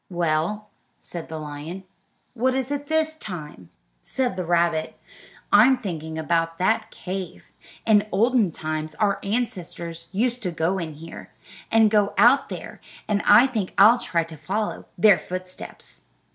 "Well," said the lion, "what is it this time?" Said the rabbit: "I'm thinking about that cave. In olden times our ancestors used to go in here, and go out there, and I think I'll try and follow in their footsteps."